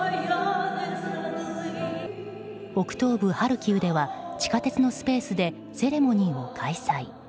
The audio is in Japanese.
北東部ハルキウでは地下鉄のスペースでセレモニーを開催。